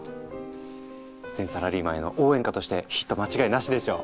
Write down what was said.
全サラリーマンへの応援歌としてヒット間違いなしでしょう？